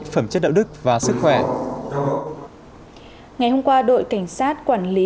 phẩm chất đạo đức và sức khỏe ngày hôm qua đội cảnh sát quản lý